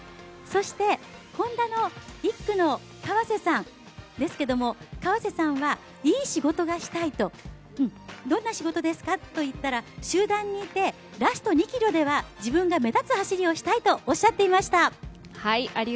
そして、Ｈｏｎｄａの１区の川瀬さんはいい仕事がしたいと、どんな仕事ですかと言ったら集団にいて、ラスト２ｋｍでは自分が目立つ走りをしたいとおっしゃっていました。